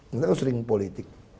kita kan sering politik